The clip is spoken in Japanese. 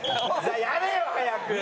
やれよ！早く！